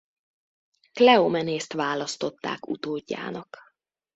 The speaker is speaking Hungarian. Kleomenészt választották utódjának.